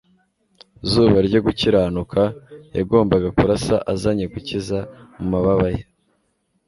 Zuba ryo gukiranuka yagombaga kurasa azanye gukiza mu mababa ye